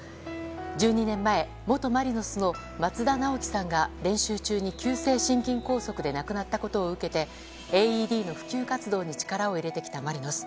１２年前元マリノスの松田直樹さんが練習中に、急性心筋梗塞で亡くなったことを受けてＡＥＤの普及活動に力を入れてきたマリノス。